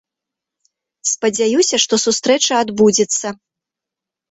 Спадзяюся, што сустрэча адбудзецца.